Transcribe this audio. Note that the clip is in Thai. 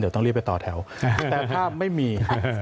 เดี๋ยวต้องรีบไปต่อแถวแต่ถ้าไม่มี